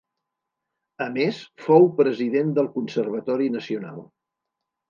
A més, fou, president del Conservatori Nacional.